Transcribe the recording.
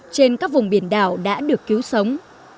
trên các vùng biển đảo đã được cứu sống